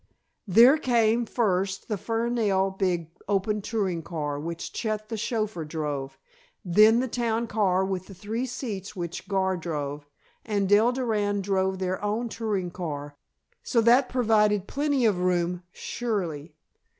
There came, first, the Fernell big open touring car, which Chet the chauffeur drove, then the town car with the three seats which Gar drove, and Dell Durand drove their own touring car, so that provided plenty of room, surely.